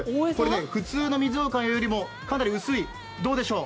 普通の水ようかんよりもかなり薄い、どうでしょう？